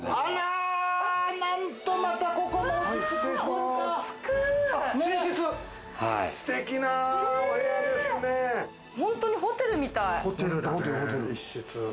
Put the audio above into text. なんと、またここも落ち着くほんとにホテルみたい。